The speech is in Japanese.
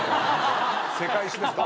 世界史ですか。